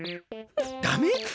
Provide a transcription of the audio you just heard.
ダメ？